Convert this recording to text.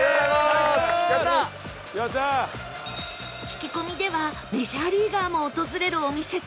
聞き込みではメジャーリーガーも訪れるお店と言っていましたが